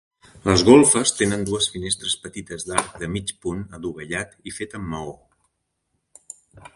Les golfes tenen dues finestres petites d'arc de mig punt adovellat i fet amb maó.